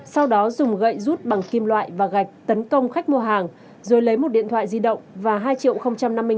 sau đó dùng gậy rút bằng kim loại và gạch tấn công khách mua hàng rồi lấy một điện thoại di động và hai triệu năm mươi năm